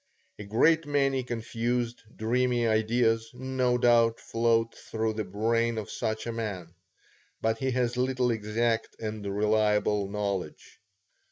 A great many confused, dreamy ideas, no doubt, float through the brain of such a man; but he has little exact and reliable knowledge.